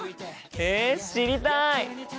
へえ知りたい！